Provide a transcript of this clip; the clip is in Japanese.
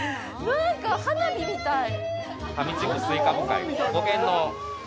なんか花火みたい。